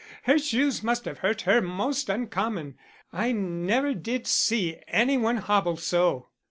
Her shoes must have hurt her most uncommon. I never did see any one hobble so."